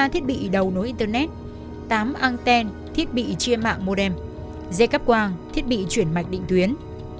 một mươi ba thiết bị đầu nối internet tám anten thiết bị chia mạng modem dây cắp quang thiết bị chuyển mạch định tuyến